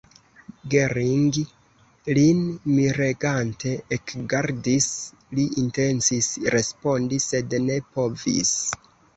Gering lin miregante ekrigardis; li intencis respondi, sed ne povis.